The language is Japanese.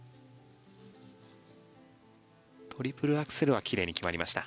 トリプルアクセルは奇麗に決まりました。